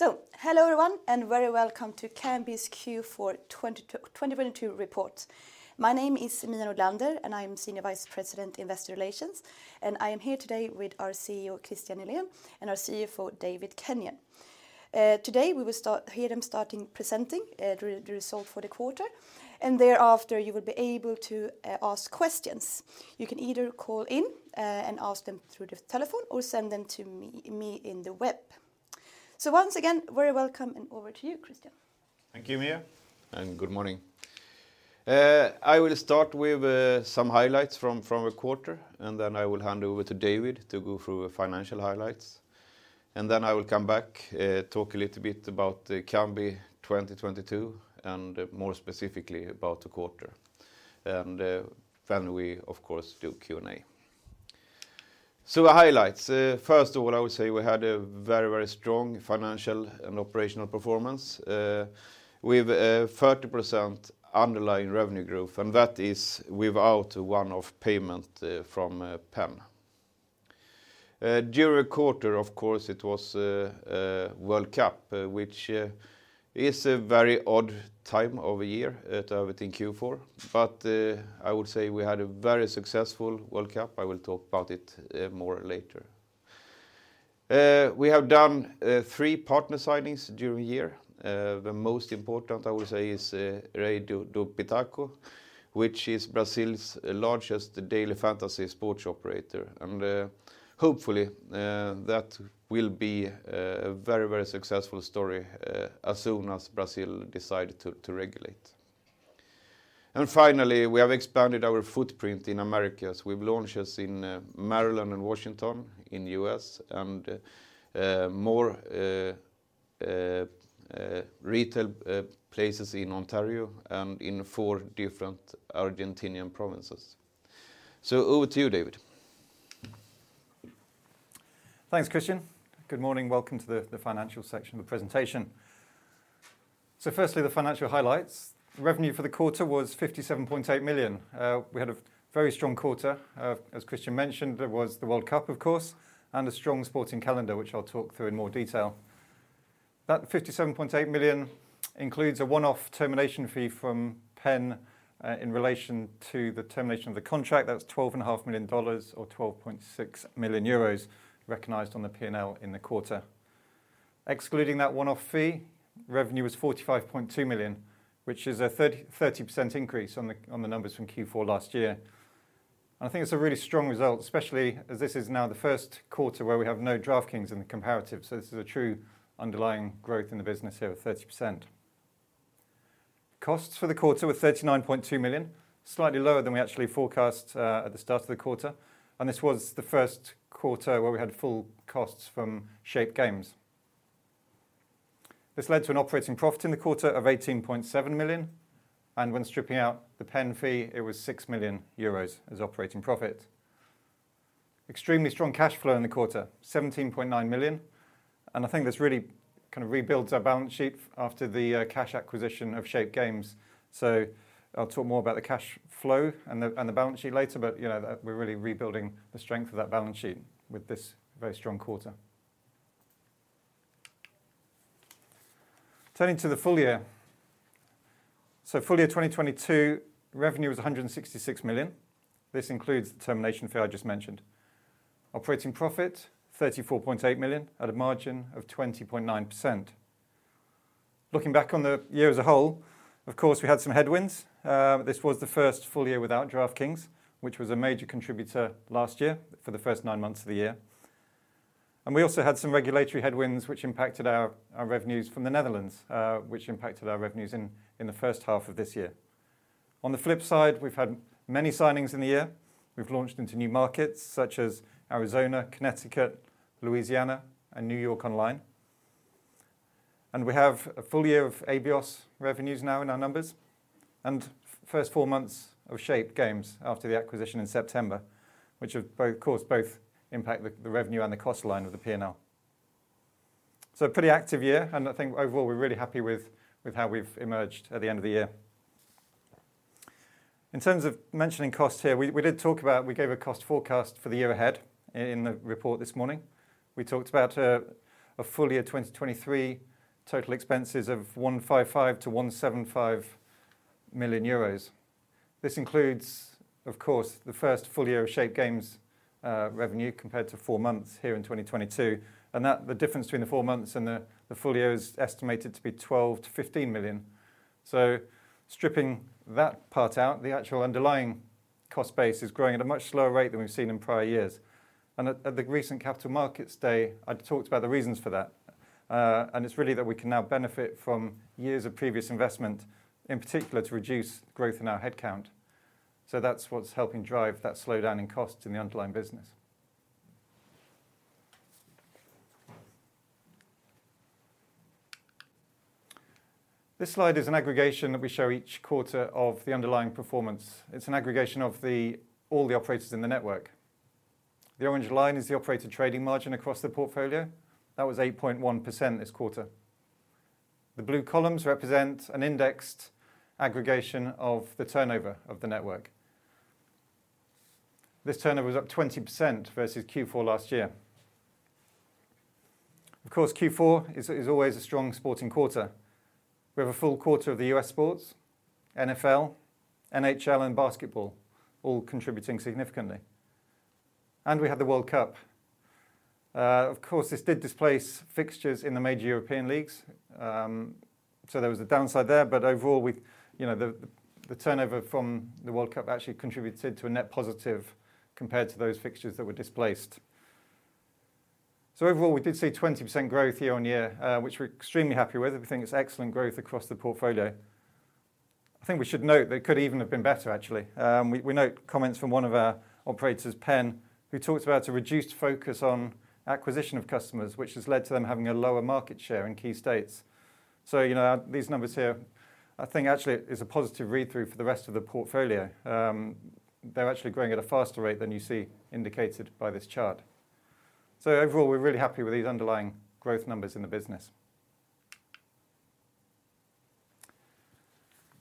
Hello, everyone, and very welcome to Kambi's Q4 2022 report. My name is Mia Nordlander, and I'm Senior Vice President, Investor Relations, and I am here today with our CEO, Kristian Nylén, and our CFO, David Kenyon. Today, we will hear them presenting the result for the quarter, and thereafter, you will be able to ask questions. You can either call in and ask them through the telephone or send them to me in the web. Once again, very welcome and over to you, Kristian. Thank you, Mia, and good morning. I will start with some highlights from the quarter, then I will hand over to David to go through the financial highlights. Then I will come back, talk a little bit about the Kambi 2022 and more specifically about the quarter. Then we, of course, do Q&A. The highlights. First of all, I would say we had a very, very strong financial and operational performance with a 30% underlying revenue growth, and that is without a one-off payment from PENN. During the quarter, of course, it was a World Cup, which is a very odd time of year within Q4. I would say we had a very successful World Cup. I will talk about it more later. We have done three partner signings during the year. The most important I would say is Rei do Pitaco, which is Brazil's largest daily fantasy sports operator. Hopefully, that will be a very, very successful story as soon as Brazil decide to regulate. Finally, we have expanded our footprint in Americas with launches in Maryland and Washington in the U.S. and more retail places in Ontario and in four different Argentinian provinces. Over to you, David. Thanks, Kristian. Good morning. Welcome to the financial section of the presentation. Firstly, the financial highlights. Revenue for the quarter was 57.8 million. We had a very strong quarter. As Kristian mentioned, there was the World Cup, of course, and a strong sporting calendar, which I'll talk through in more detail. That 57.8 million includes a one-off termination fee from PENN, in relation to the termination of the contract. That's $12.5 million or 12.6 million euros recognized on the P&L in the quarter. Excluding that one-off fee, revenue was 45.2 million, which is a 30% increase on the numbers from Q4 last year. I think it's a really strong result, especially as this is now the first quarter where we have no DraftKings in the comparative. This is a true underlying growth in the business here of 30%. Costs for the quarter were 39.2 million, slightly lower than we actually forecast at the start of the quarter. This was the first quarter where we had full costs from Shape Games. This led to an operating profit in the quarter of 18.7 million, and when stripping out the PENN fee, it was 6 million euros as operating profit. Extremely strong cash flow in the quarter, 17.9 million, and I think this really kind of rebuilds our balance sheet after the cash acquisition of Shape Games. I'll talk more about the cash flow and the balance sheet later, but, you know, that we're really rebuilding the strength of that balance sheet with this very strong quarter. Turning to the full year. Full year 2022, revenue was 166 million. This includes the termination fee I just mentioned. Operating profit, 34.8 million at a margin of 20.9%. Looking back on the year as a whole, of course, we had some headwinds. This was the first full year without DraftKings, which was a major contributor last year for the first nine months of the year. We also had some regulatory headwinds which impacted our revenues from the Netherlands, which impacted our revenues in the first half of this year. On the flip side, we've had many signings in the year. We've launched into new markets such as Arizona, Connecticut, Louisiana, and New York online. We have a full year of Abios revenues now in our numbers and first four months of Shape Games after the acquisition in September, which of course, both impact the revenue and the cost line of the P&L. A pretty active year, and I think overall, we're really happy with how we've emerged at the end of the year. In terms of mentioning costs here, we did talk about, we gave a cost forecast for the year ahead in the report this morning. We talked about a full year 2023 total expenses of 155 million-175 million euros. This includes, of course, the first full year of Shape Games revenue compared to four months here in 2022, and that the difference between the four months and the full year is estimated to be 12 million-15 million. Stripping that part out, the actual underlying cost base is growing at a much slower rate than we've seen in prior years. At the recent Capital Markets Day, I talked about the reasons for that. It's really that we can now benefit from years of previous investment, in particular to reduce growth in our headcount. That's what's helping drive that slowdown in costs in the underlying business. This slide is an aggregation that we show each quarter of the underlying performance. It's an aggregation of all the operators in the network. The orange line is the operator trading margin across the portfolio. That was 8.1% this quarter. The blue columns represent an indexed aggregation of the turnover of the network. This turnover was up 20% versus Q4 last year. Of course, Q4 is always a strong sporting quarter. We have a full quarter of the U.S. sports, NFL, NHL, and basketball, all contributing significantly. We have the World Cup. Of course, this did displace fixtures in the major European leagues, so there was a downside there. Overall, we you know, the turnover from the World Cup actually contributed to a net positive compared to those fixtures that were displaced. Overall, we did see 20% growth year-on-year, which we're extremely happy with. We think it's excellent growth across the portfolio. I think we should note that it could even have been better actually. We note comments from one of our operators, PENN, who talked about a reduced focus on acquisition of customers, which has led to them having a lower market share in key states. You know, these numbers here, I think actually is a positive read-through for the rest of the portfolio. They're actually growing at a faster rate than you see indicated by this chart. Overall, we're really happy with these underlying growth numbers in the business.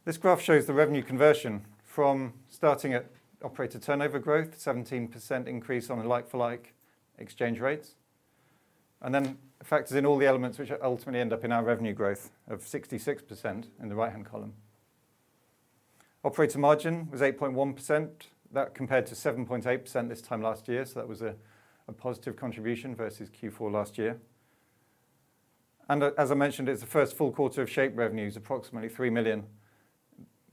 This graph shows the revenue conversion from starting at operator turnover growth, 17% increase on a like-for-like exchange rates, and then factors in all the elements which ultimately end up in our revenue growth of 66% in the right-hand column. Operator margin was 8.1%. That compared to 7.8% this time last year. That was a positive contribution versus Q4 last year. As I mentioned, it's the first full quarter of Shape revenues, approximately 3 million,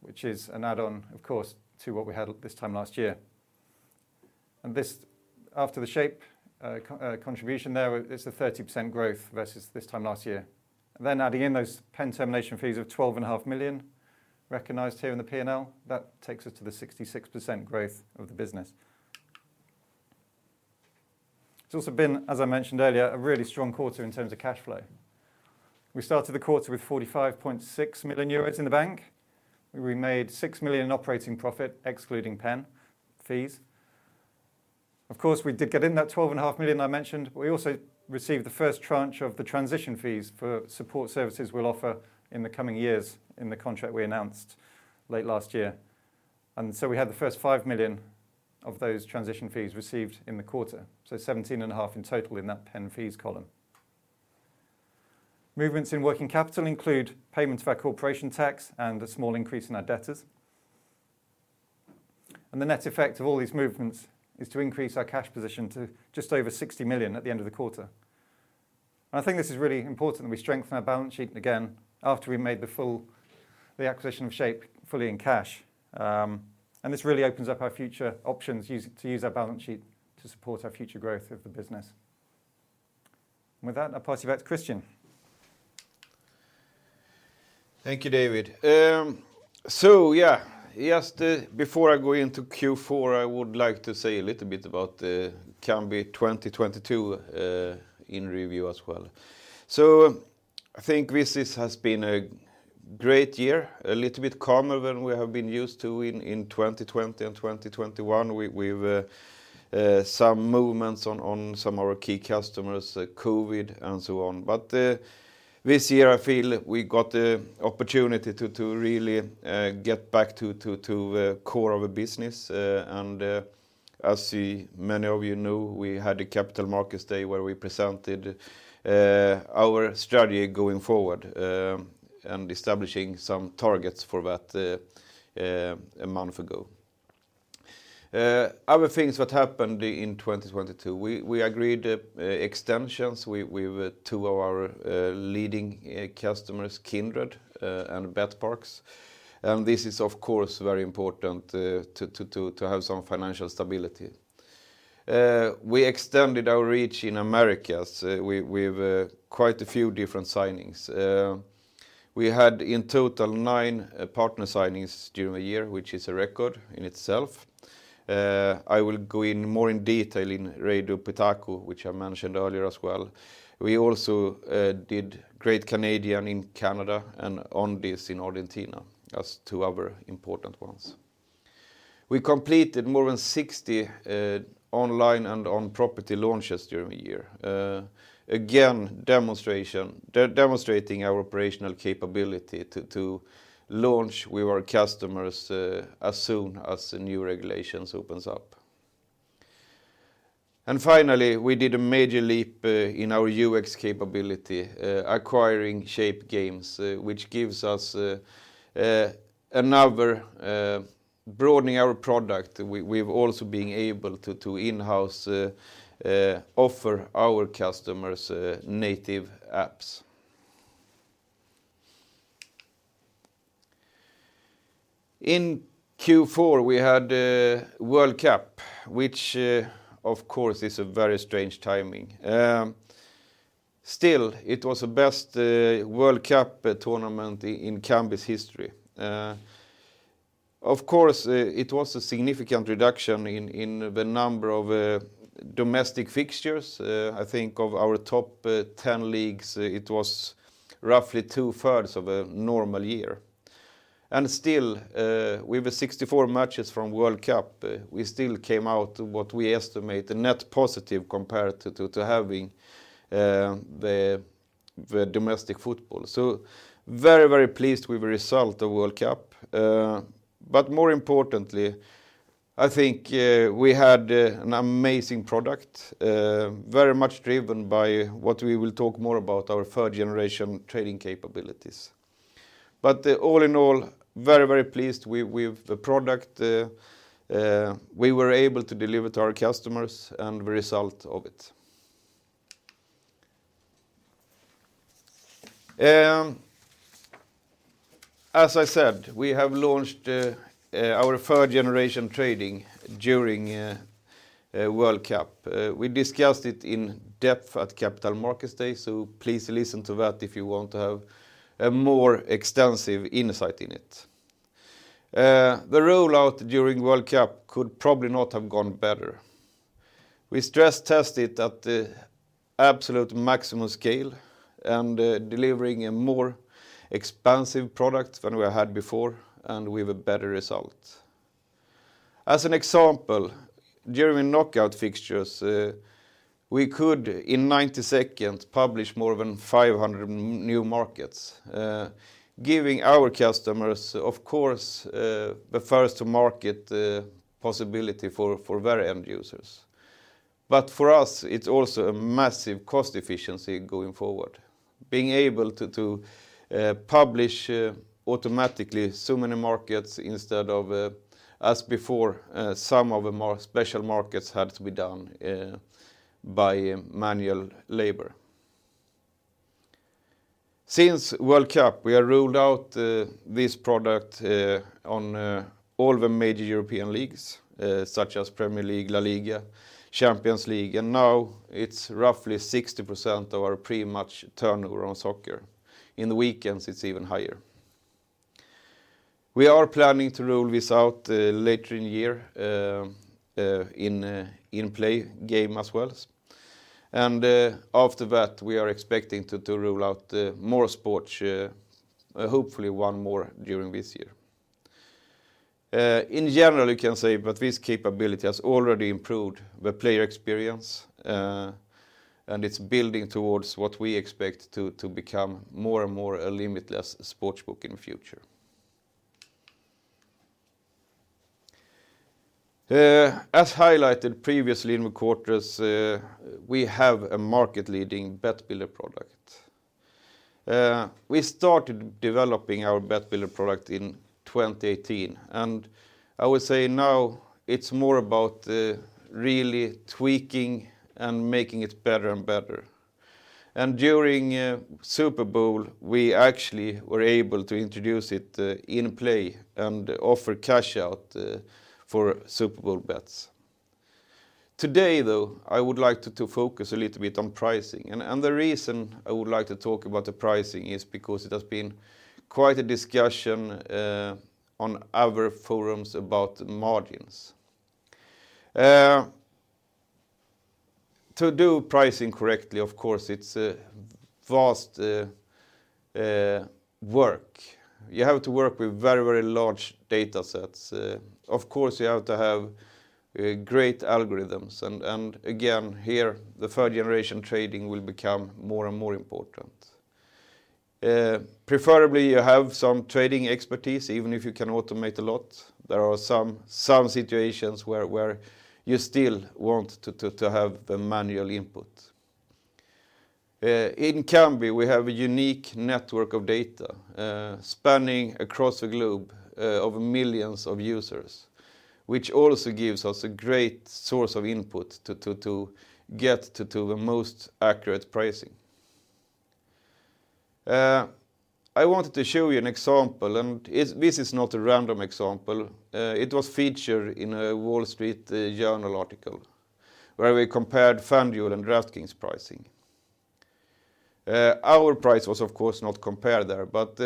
which is an add-on, of course, to what we had this time last year. After the Shape contribution there, it's a 30% growth versus this time last year. Adding in those PENN termination fees of 12.5 million recognized here in the P&L, that takes us to the 66% growth of the business. It's also been, as I mentioned earlier, a really strong quarter in terms of cash flow. We started the quarter with 45.6 million euros in the bank. We made 6 million in operating profit excluding PENN fees. We did get in that 12.5 million I mentioned. We also received the first tranche of the transition fees for support services we'll offer in the coming years in the contract we announced late last year. We had the first 5 million of those transition fees received in the quarter, so 17.5 in total in that PENN fees column. Movements in working capital include payment of our corporation tax and a small increase in our debtors. The net effect of all these movements is to increase our cash position to just over 60 million at the end of the quarter. I think this is really important that we strengthen our balance sheet again after we made the acquisition of Shape fully in cash. This really opens up our future options to use our balance sheet to support our future growth of the business. With that, I'll pass you back to Kristian. Thank you, David. Before I go into Q4, I would like to say a little bit about Kambi 2022 in review as well. I think this has been a great year, a little bit calmer than we have been used to in 2020 and 2021. We've some movements on some of our key customers, COVID and so on. This year, I feel we got the opportunity to really get back to core of a business. As many of you know, we had a Capital Markets Day where we presented our strategy going forward, and establishing some targets for that a month ago. Other things what happened in 2022, we agreed extensions with two of our leading customers, Kindred, and betPARX. This is, of course, very important to have some financial stability. We extended our reach in Americas with quite a few different signings. We had in total nine partner signings during the year, which is a record in itself. I will go in more in detail in Rei do Pitaco, which I mentioned earlier as well. We also did Great Canadian in Canada and Ondiss in Argentina as two other important ones. We completed more than 60 online and on-property launches during the year. Again, demonstrating our operational capability to launch with our customers as soon as the new regulations opens up. Finally, we did a major leap in our UX capability, acquiring Shape Games, which gives us another, broadening our product. We've also been able to in-house offer our customers native apps. In Q4, we had World Cup, which of course, is a very strange timing. Still, it was the best World Cup tournament in Kambi's history. Of course, it was a significant reduction in the number of domestic fixtures. I think of our top 10 leagues, it was roughly 2/3 of a normal year. Still, with the 64 matches from World Cup, we still came out to what we estimate a net positive compared to having the domestic football. Very pleased with the result of World Cup. More importantly, I think, we had an amazing product, very much driven by what we will talk more about our third generation trading capabilities. All in all, very pleased with the product we were able to deliver to our customers and the result of it. As I said, we have launched our third generation trading during World Cup. We discussed it in depth at Capital Markets Day, please listen to that if you want to have a more extensive insight in it. The rollout during World Cup could probably not have gone better. We stress tested at the absolute maximum scale and delivering a more expansive product than we had before, and with a better result. As an example, during knockout fixtures, we could in 90 seconds publish more than 500 new markets, giving our customers, of course, the first to market possibility for very end users. For us, it's also a massive cost efficiency going forward. Being able to publish automatically so many markets instead of, as before, some of the more special markets had to be done by manual labor. Since World Cup, we have rolled out this product on all the major European leagues, such as Premier League, La Liga, Champions League, and now it's roughly 60% of our pre-match turnover on soccer. In the weekends, it's even higher. We are planning to roll this out later in the year in in play game as well. After that, we are expecting to roll out more sports, hopefully one more during this year. In general, you can say that this capability has already improved the player experience, and it's building towards what we expect to become more and more a limitless sportsbook in the future. As highlighted previously in the quarters, we have a market-leading Bet Builder product. We started developing our Bet Builder product in 2018, and I would say now it's more about really tweaking and making it better and better. During Super Bowl, we actually were able to introduce it in play and offer cash out for Super Bowl bets. Today, though, I would like to focus a little bit on pricing. The reason I would like to talk about the pricing is because it has been quite a discussion on our forums about margins. To do pricing correctly, of course, it's a vast work. You have to work with very, very large datasets. Of course, you have to have great algorithms. Again, here the third generation trading will become more and more important. Preferably you have some trading expertise, even if you can automate a lot. There are some situations where you still want to have the manual input. In Kambi, we have a unique network of data spanning across the globe of millions of users, which also gives us a great source of input to get to the most accurate pricing. I wanted to show you an example, and this is not a random example. It was featured in a Wall Street Journal article where we compared FanDuel and DraftKings pricing. Our price was of course not compared there, but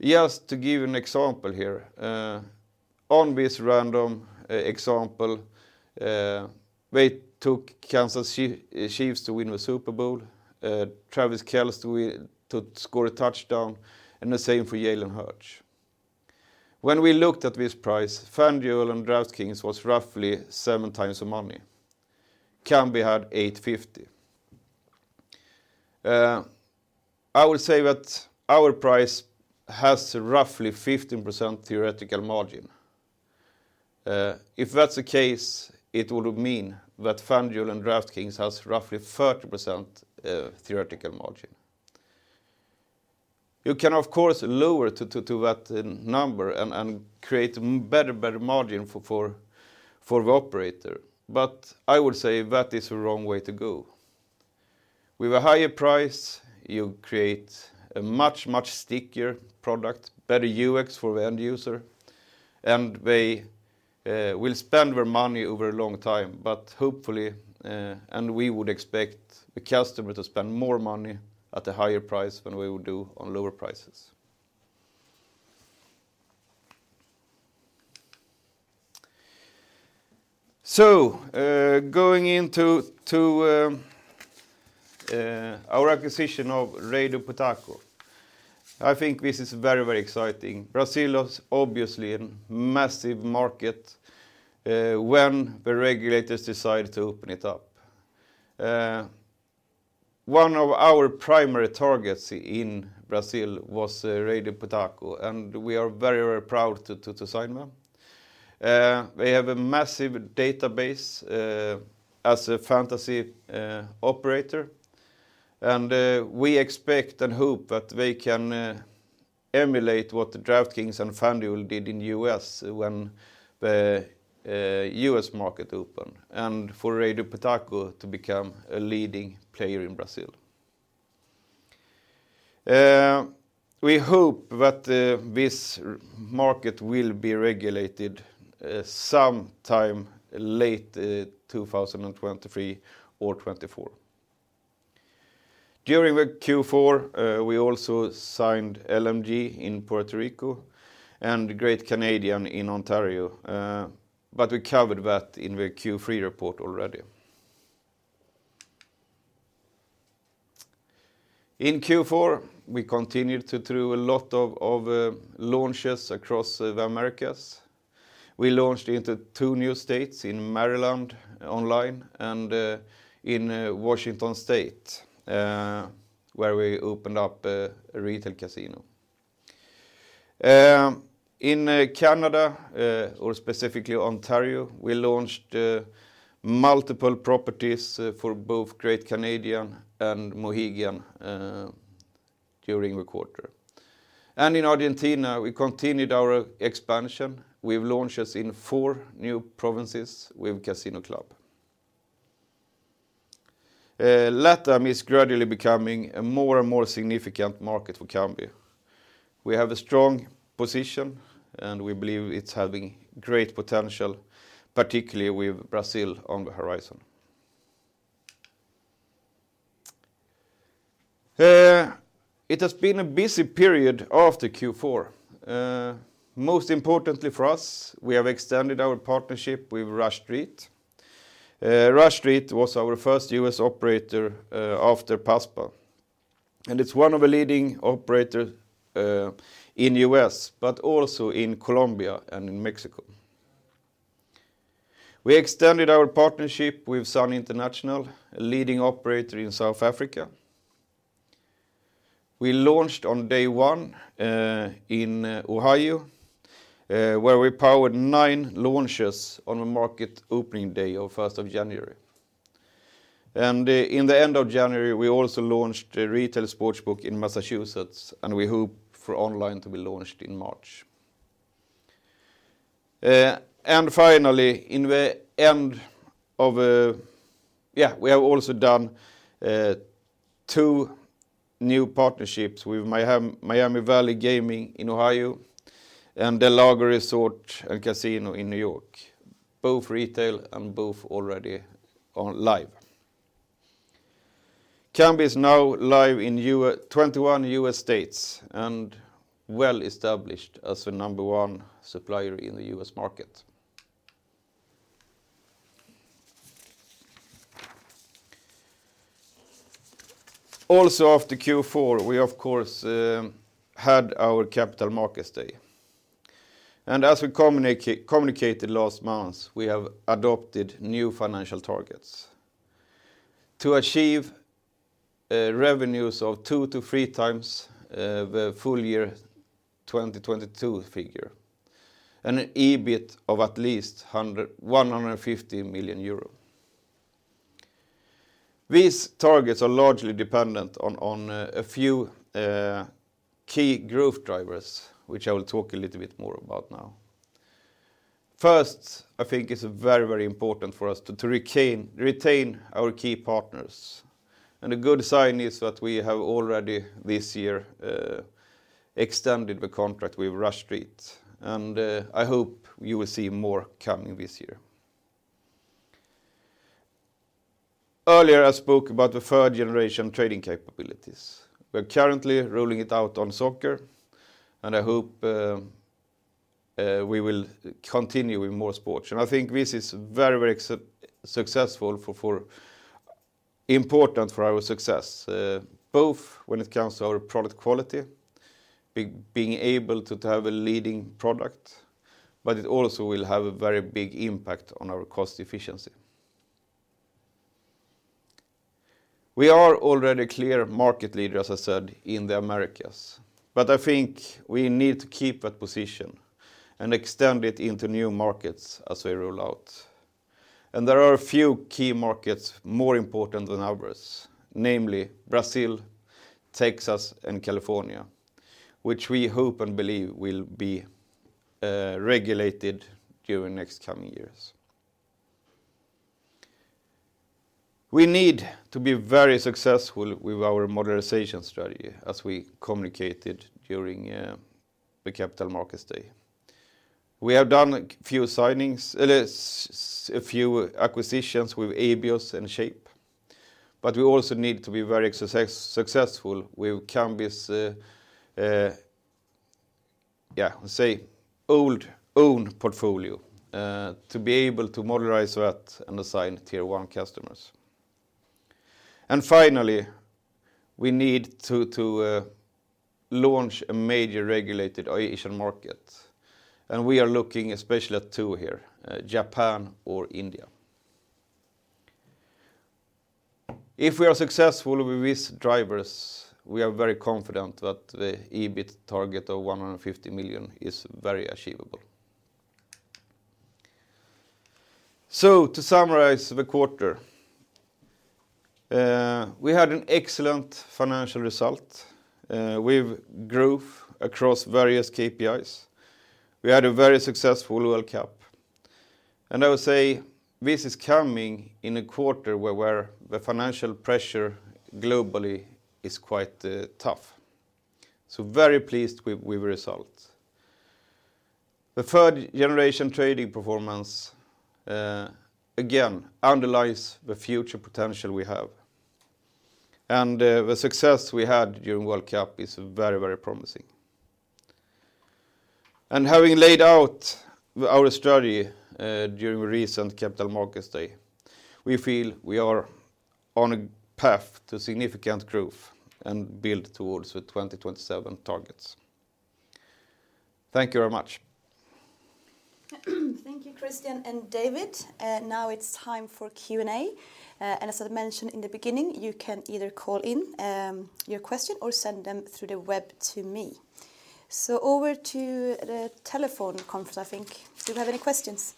just to give you an example here, on this random example, they took Kansas City Chiefs to win the Super Bowl, Travis Kelce to score a touchdown, and the same for Jalen Hurts. When we looked at this price, FanDuel and DraftKings was roughly seven times the money. Kambi had 850. I would say that our price has roughly 15% theoretical margin. If that's the case, it would mean that FanDuel and DraftKings has roughly 30% theoretical margin. You can of course lower to that number and create better margin for the operator. I would say that is the wrong way to go. With a higher price, you create a much stickier product, better UX for the end user, and they will spend their money over a long time. Hopefully, and we would expect the customer to spend more money at a higher price than we would do on lower prices. Going into our acquisition of Rei do Pitaco. I think this is very, very exciting. Brazil is obviously a massive market when the regulators decide to open it up. One of our primary targets in Brazil was Rei do Pitaco, and we are very proud to sign them. They have a massive database as a fantasy operator, and we expect and hope that they can emulate what the DraftKings and FanDuel did in U.S. when the U.S. market opened and for Rei do Pitaco to become a leading player in Brazil. We hope that this market will be regulated sometime late 2023 or 2024. During the Q4, we also signed LMG in Puerto Rico and Great Canadian in Ontario, but we covered that in the Q3 report already. In Q4, we continued to do a lot of launches across the Americas. We launched into two new states in Maryland online and in Washington State, where we opened up a retail casino. In Canada, or specifically Ontario, we launched multiple properties for both Great Canadian and Mohegan during the quarter. In Argentina, we continued our expansion with launches in four new provinces with Casino Club. LATAM is gradually becoming a more and more significant market for Kambi. We have a strong position, and we believe it's having great potential, particularly with Brazil on the horizon. It has been a busy period after Q4. Most importantly for us, we have extended our partnership with Rush Street. Rush Street was our first U.S. operator after PASPA, and it's one of the leading operator in U.S. but also in Colombia and in Mexico. We extended our partnership with Sun International, a leading operator in South Africa. We launched on day one in Ohio, where we powered nine launches on the market opening day of 1st of January. In the end of January, we also launched a retail sportsbook in Massachusetts, and we hope for online to be launched in March. Finally, we have also done two new partnerships with Miami Valley Gaming in Ohio and del Lago Resort & Casino in New York, both retail and both already are live. Kambi is now live in 21 U.S. states and well established as the number one supplier in the U.S. market. Also after Q4, we of course, had our Capital Markets Day. As we communicated last month, we have adopted new financial targets to achieve revenues of two to three times the full year 2022 figure and an EBIT of at least 150 million euro. These targets are largely dependent on a few key growth drivers, which I will talk a little bit more about now. First, I think it's very, very important for us to retain our key partners, and a good sign is that we have already this year extended the contract with Rush Street, and I hope you will see more coming this year. Earlier, I spoke about the third generation trading capabilities. We're currently rolling it out on soccer, and I hope we will continue with more sports. I think this is very, very successful for important for our success, both when it comes to our product quality, being able to have a leading product, but it also will have a very big impact on our cost efficiency. We are already clear market leader, as I said, in the Americas, but I think we need to keep that position and extend it into new markets as we roll out. There are a few key markets more important than others, namely Brazil, Texas, and California, which we hope and believe will be regulated during next coming years. We need to be very successful with our modularisation strategy as we communicated during the Capital Markets Day. We have done a few signings, at least a few acquisitions with Abios and Shape, but we also need to be very successful with Kambi's, yeah, let's say old own portfolio, to be able to modernize that and assign Tier 1 customers. And finally, we need to launch a major regulated Asian market, and we are looking especially at two here, Japan or India. If we are successful with these drivers, we are very confident that the EBIT target of 150 million is very achievable. To summarize the quarter, we had an excellent financial result, with growth across various KPIs. We had a very successful World Cup, and I would say this is coming in a quarter where the financial pressure globally is quite tough. Very pleased with the result. The third generation trading performance, again, underlies the future potential we have. The success we had during World Cup is very, very promising. Having laid out our strategy, during recent Capital Markets Day, we feel we are on a path to significant growth and build towards the 2027 targets. Thank you very much. Thank you, Kristian and David. Now it's time for Q&A. As I mentioned in the beginning, you can either call in your question or send them through the web to me. Over to the telephone conference, I think. Do we have any questions?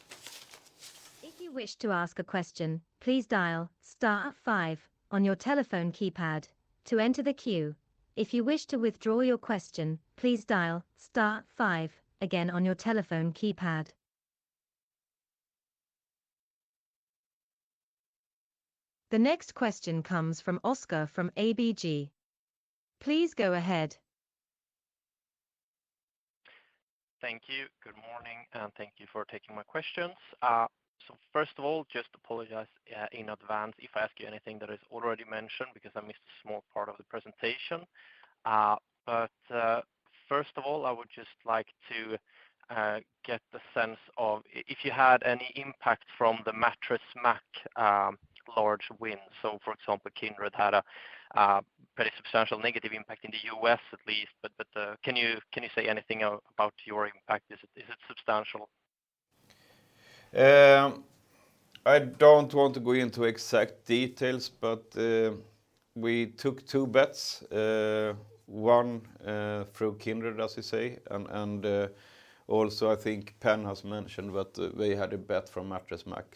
If you wish to ask a question, please dial star five on your telephone keypad to enter the queue. If you wish to withdraw your question, please dial star five again on your telephone keypad. The next question comes from Oscar from ABG. Please go ahead. Thank you. Good morning, thank you for taking my questions. First of all, just apologize in advance if I ask you anything that is already mentioned because I missed a small part of the presentation. First of all, I would just like to get the sense of if you had any impact from the Mattress Mack large win. For example, Kindred had a pretty substantial negative impact in the U.S. at least. Can you say anything about your impact? Is it substantial? I don't want to go into exact details, but we took two bets, one through Kindred, as you say, also I think PENN has mentioned that they had a bet from Mattress Mack.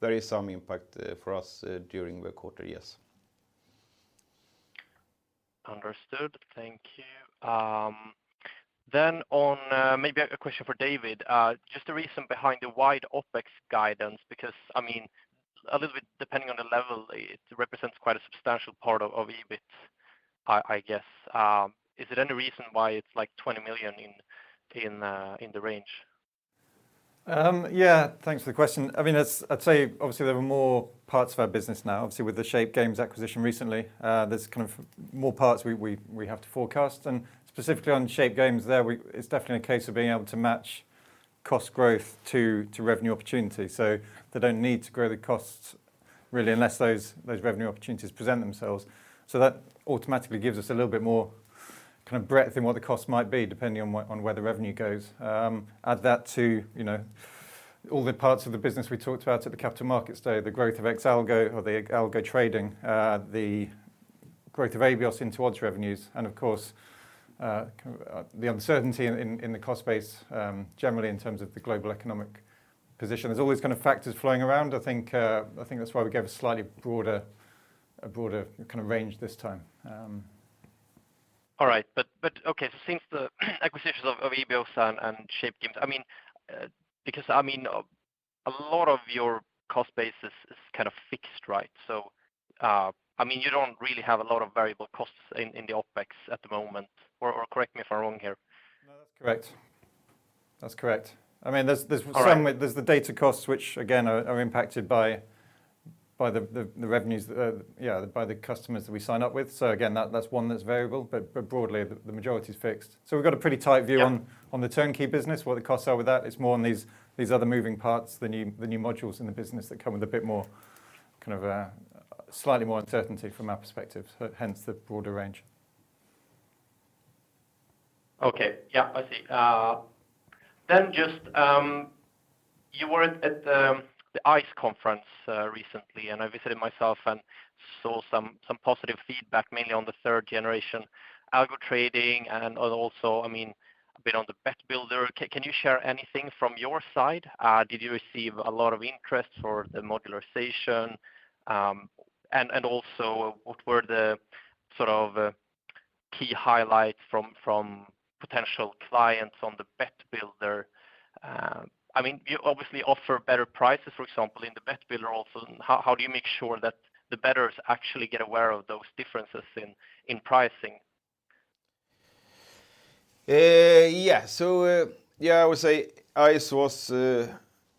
There is some impact for us during the quarter, yes. Understood. Thank you. On, maybe a question for David. Just the reason behind the wide OpEx guidance, because I mean, a little bit depending on the level, it represents quite a substantial part of EBIT, I guess. Is there any reason why it's like 20 million in the range? Yeah, thanks for the question. I mean, as I'd say, obviously, there are more parts of our business now. Obviously, with the Shape Games acquisition recently, there's kind of more parts we, we have to forecast. Specifically on Shape Games there, it's definitely a case of being able to match cost growth to revenue opportunity. They don't need to grow the costs really unless those revenue opportunities present themselves. That automatically gives us a little bit more kind of breadth in what the cost might be, depending on where the revenue goes. Add that to, you know, all the parts of the business we talked about at the Capital Markets Day, the growth of ex-algo or the algo trading, the growth of Abios into odds revenues, and of course, kind of the uncertainty in the cost base generally in terms of the global economic position. There's always kind of factors flowing around. I think that's why we gave a slightly broader kind of range this time. All right. Okay. Since the acquisitions of Abios and Shape Games, I mean, because I mean, a lot of your cost base is kind of fixed, right? I mean, you don't really have a lot of variable costs in the OpEx at the moment or correct me if I'm wrong here? No, that's correct. That's correct. I mean, there's. All right. There's the data costs, which again are impacted by the revenues, yeah, by the customers that we sign up with. Again, that's one that's variable, but broadly the majority is fixed. We've got a pretty tight view on. Yeah. On the Turnkey business, what the costs are with that. It's more on these other moving parts, the new modules in the business that come with a bit more kind of, slightly more uncertainty from our perspective, hence the broader range. Okay. Yeah, I see. Just, you were at the ICE Conference recently, and I visited myself and saw some positive feedback, mainly on the third generation algo trading and also, I mean, a bit on the Bet Builder. Can you share anything from your side? Did you receive a lot of interest for the modularisation? And also what were the sort of key highlights from potential clients on the Bet Builder? I mean, you obviously offer better prices, for example, in the Bet Builder also. How do you make sure that the bettors actually get aware of those differences in pricing? Yeah, I would say ICE was a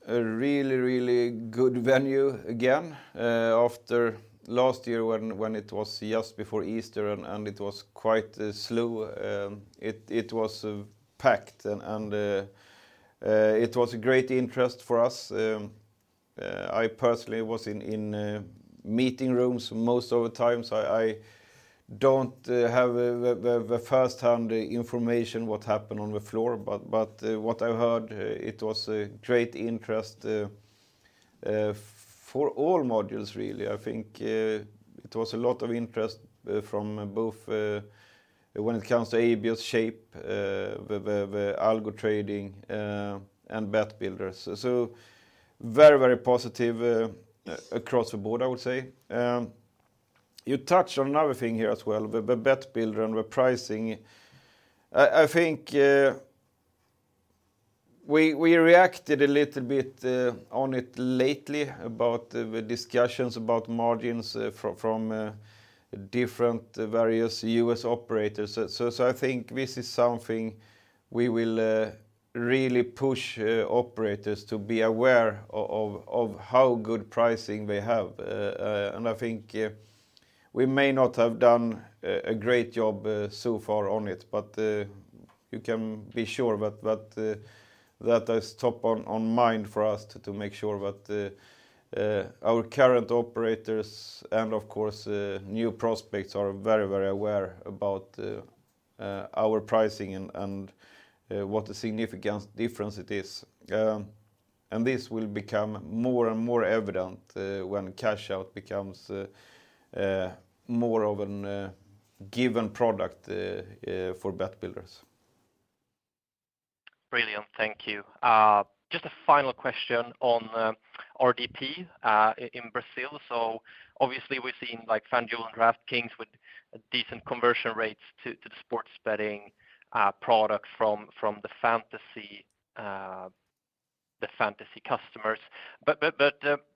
really, really good venue again, after last year when it was just before Easter and it was quite slow. It was packed and it was a great interest for us. I personally was in meeting rooms most of the time, so I don't have the firsthand information what happened on the floor. What I heard, it was a great interest for all modules really. I think, it was a lot of interest from both, when it comes to Abios, Shape, the algo trading, and Bet Builder. Very, very positive, across the board, I would say. You touched on another thing here as well, the Bet Builder and the pricing. I think we reacted a little bit on it lately about the discussions about margins from different various U.S. operators. I think this is something we will really push operators to be aware of how good pricing they have. And I think we may not have done a great job so far on it, but you can be sure that that is top on mind for us to make sure that our current operators and of course, new prospects are very, very aware about our pricing and what a significant difference it is. This will become more and more evident when cash out becomes more of an given product for Bet Builder. Brilliant. Thank you. Just a final question on RDP in Brazil. Obviously we've seen like FanDuel and DraftKings with decent conversion rates to the sports betting product from the fantasy customers.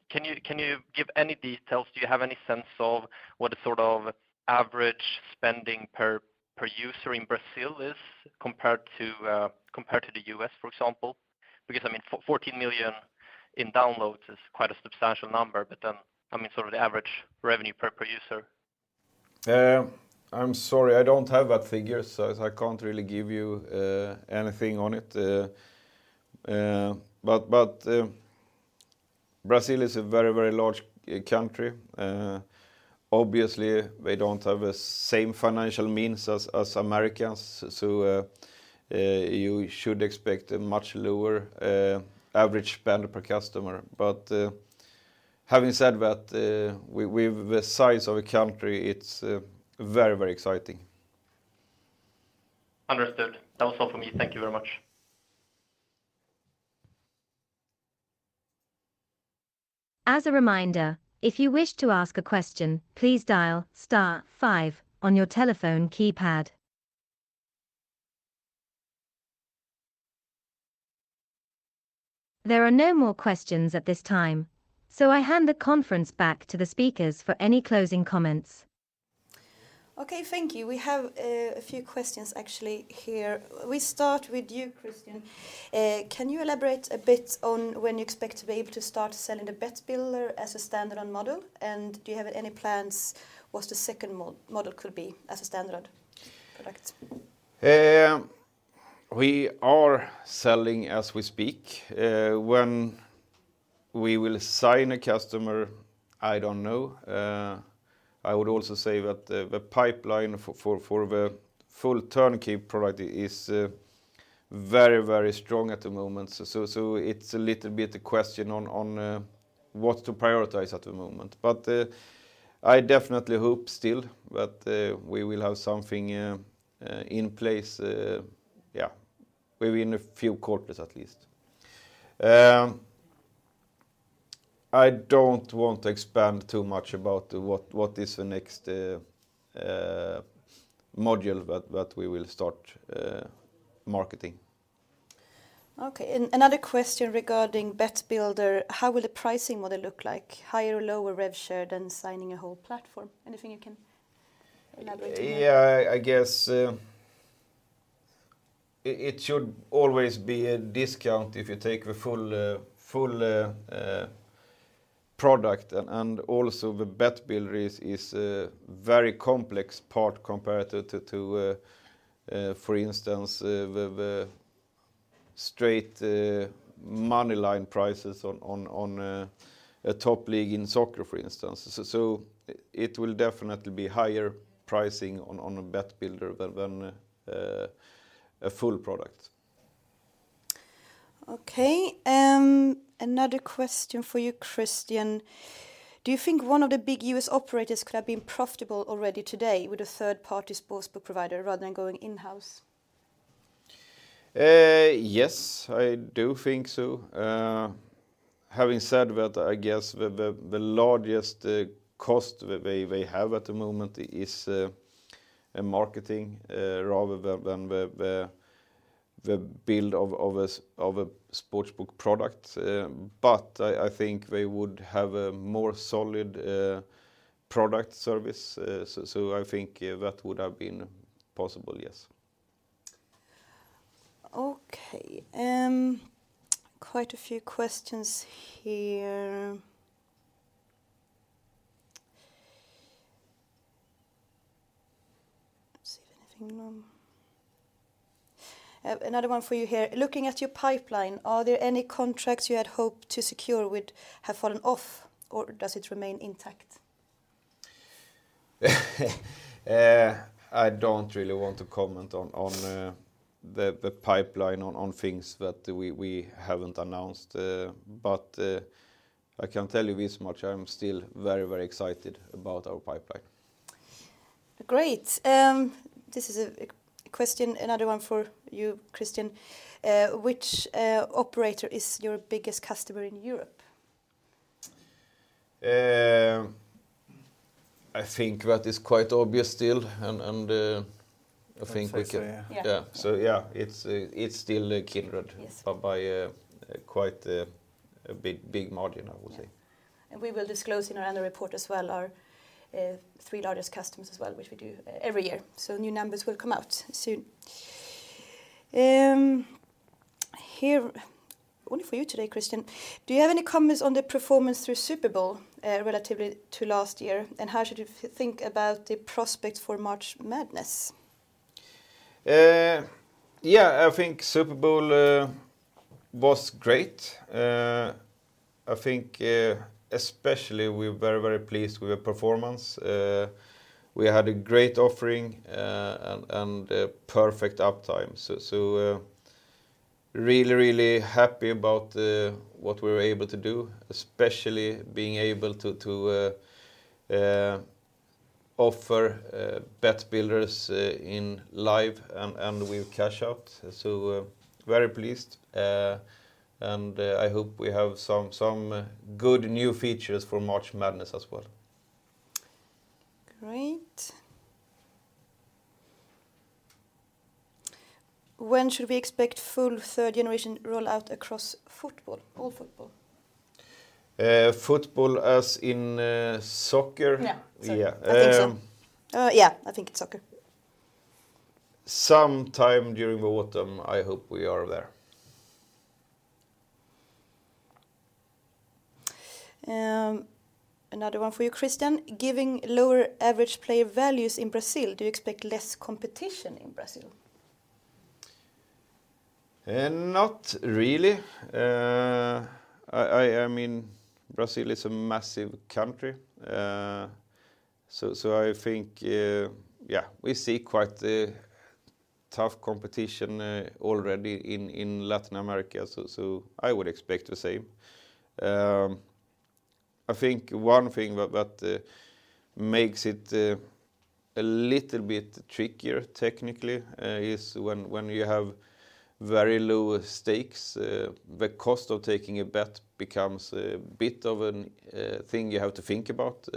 Can you give any details? Do you have any sense of what the sort of average spending per user in Brazil is compared to the U.S. for example? I mean, for $14 million in downloads is quite a substantial number, then, I mean, sort of the average revenue per user. I'm sorry, I don't have that figure, so I can't really give you anything on it. Brazil is a very, very large country. Obviously they don't have the same financial means as Americans. You should expect a much lower average spend per customer. Having said that, with the size of a country, it's very, very exciting. Understood. That was all for me. Thank you very much. As a reminder, if you wish to ask a question, please dial star five on your telephone keypad. There are no more questions at this time. I hand the conference back to the speakers for any closing comments. Okay, thank you. We have a few questions actually here. We start with you, Kristian. Can you elaborate a bit on when you expect to be able to start selling the Bet Builder as a standalone model? Do you have any plans what the second model could be as a standalone product? We are selling as we speak. When we will sign a customer, I don't know. I would also say that the pipeline for the full Turnkey product is very, very strong at the moment. It's a little bit a question on what to prioritize at the moment. I definitely hope still that we will have something in place, yeah, within a few quarters at least. I don't want to expand too much about what is the next module that we will start marketing. Okay. Another question regarding Bet Builder. How will the pricing model look like? Higher or lower rev share than signing a whole platform? Anything you can elaborate on that? Yeah, I guess, it should always be a discount if you take the full product. Also the Bet Builder is a very complex part compared to, for instance, the straight money line prices on a top league in soccer, for instance. It will definitely be higher pricing on a Bet Builder than a full product. Another question for you, Kristian. Do you think one of the big U.S. operators could have been profitable already today with a third-party sportsbook provider rather than going in-house? Yes, I do think so. Having said that, I guess the largest cost that they have at the moment is a marketing rather than the build of a sportsbook product. I think they would have a more solid product service. I think that would have been possible, yes. Okay. Quite a few questions here. Another one for you here. Looking at your pipeline, are there any contracts you had hoped to secure which have fallen off, or does it remain intact? I don't really want to comment on the pipeline on things that we haven't announced. I can tell you this much, I'm still very excited about our pipeline. Great. This is a question, another one for you, Kristian. Which operator is your biggest customer in Europe? I think that is quite obvious still and. I think so, yeah. Yeah. Yeah, it's still Kindred. Yes. By a, quite, a big margin, I would say. Yeah. We will disclose in our annual report as well our, three largest customers as well, which we do every year. New numbers will come out soon. Here, only for you today, Kristian. Do you have any comments on the performance through Super Bowl, relatively to last year, and how should you think about the prospect for March Madness? Yeah, I think Super Bowl was great. I think especially we're very pleased with the performance. We had a great offering and perfect uptime. Really happy about what we were able to do, especially being able to offer Bet Builder in live and with cash out. Very pleased. And I hope we have some good new features for March Madness as well. Great. When should we expect full third generation rollout across football, all football? Football as in, soccer? Yeah. Yeah. I think so. Yeah, I think it's soccer. Sometime during the autumn, I hope we are there. Another one for you, Kristian. Giving lower average player values in Brazil, do you expect less competition in Brazil? Not really. I mean, Brazil is a massive country. I think, yeah, we see quite a tough competition already in Latin America. I would expect the same. I think one thing that makes it a little bit trickier technically is when you have very low stakes, the cost of taking a bet becomes a bit of an thing you have to think about.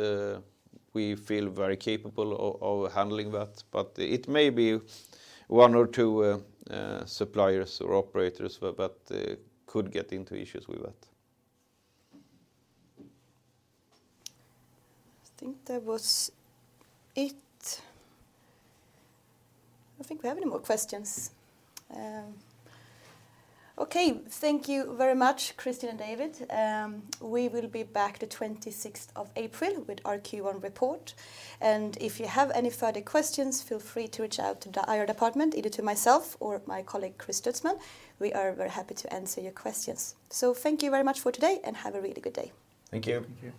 We feel very capable of handling that, but it may be one or two suppliers or operators that could get into issues with that. I think that was it. I don't think we have any more questions. Okay. Thank you very much, Kristian and David. We will be back the 26th of April with our Q1 report. If you have any further questions, feel free to reach out to the IR department, either to myself or my colleague, Chris Stutzman. We are very happy to answer your questions. Thank you very much for today, and have a really good day. Thank you. Thank you.